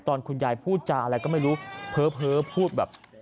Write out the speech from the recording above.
ตอนคุณยายพูดจาอะไรก็ไม่รู้เพ้อพูดแบบ